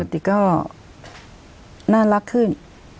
คุณกะติกก็น่ารักขึ้น